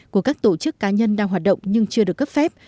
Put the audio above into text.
của các tổ chức cá nhân đang hoạt động nhưng chưa được cấp phép